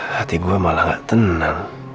hati gue malah gak tenang